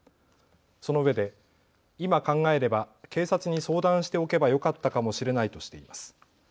そのうえで今考えれば警察に相談しておけばよかったかもしれないとしています。